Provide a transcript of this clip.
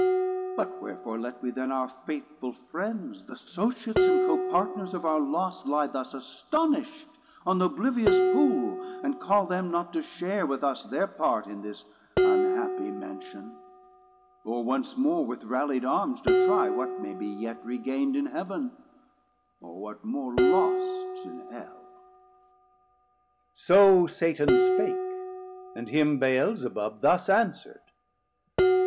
But wherefore let we then our faithful friends, Th' associates and copartners of our loss Lye thus astonisht on th' oblivious Pool, And call them not to share with us their part In this unhappy Mansion, or once more With rallied Arms to try what may be yet Regaind in Heav'n, or what more lost in Hell? 270 So Satan spake, and him Beelzebub Thus answer'd.